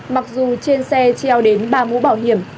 mặc dù trên xe treo đến ba mũ bảo hiểm